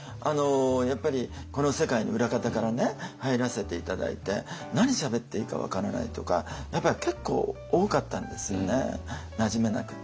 やっぱりこの世界に裏方から入らせて頂いて何しゃべっていいか分からないとかやっぱり結構多かったんですよねなじめなくって。